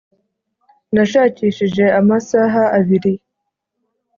Nashakishije amasaha abiri